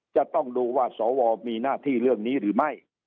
จะต้องดูว่าสวมีหน้าที่เรื่องนี้หรือไม่